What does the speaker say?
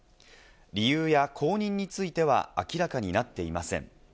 理由や後任については明らかになっていません。